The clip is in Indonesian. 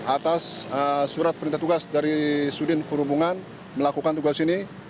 atas surat perintah tugas dari sudin perhubungan melakukan tugas ini